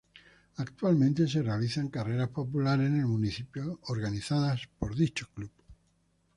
Actualmente se realizan carreras populares en el municipio organizadas por dicho club.